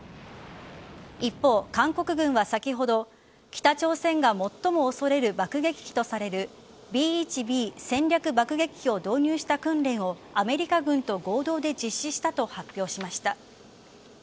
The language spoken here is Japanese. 一方、韓国軍は先ほど北朝鮮が最も恐れる爆撃機とされるＢ１Ｂ戦略爆撃機を導入した訓練をアメリカ軍と合同で実施したと発表しました。